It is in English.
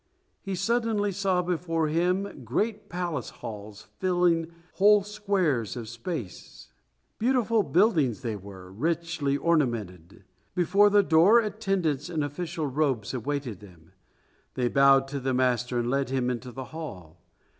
He suddenly saw before him great palace halls filling whole squares of space. Beautiful buildings they were, richly ornamented. Before the door attendants in official robes awaited them. They bowed to the master and led him into the hall.